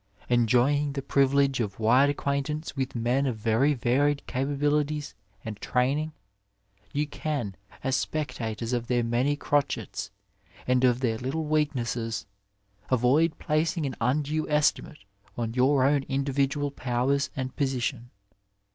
Enjoying the privilege of wide acquaintance with men of very varied capabilities and training, you can, as spectators of their many crotchets and of their little weaknesses, avoid placing an undue estimate on. your own individual powers and position.